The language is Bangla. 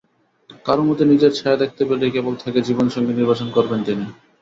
কারও মধ্যে নিজের ছায়া দেখতে পেলেই কেবল তাঁকে জীবনসঙ্গী নির্বাচন করবেন তিনি।